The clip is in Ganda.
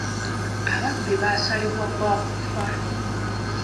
Ababbi baasalibwa gwa kufa.